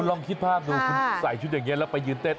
ลองคิดภาพดูคุณใส่ชุดอย่างนี้แล้วไปยืนเต้น